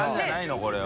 これは。